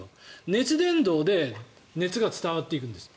熱伝導で熱が伝わっていくんです。